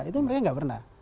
itu mereka tidak pernah